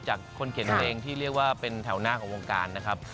คนเขียนเพลงที่เรียกว่าเป็นแถวหน้าของวงการนะครับ